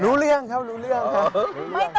รู้เรื่องครับรู้เรื่องครับ